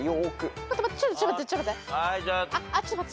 ちょっと待って。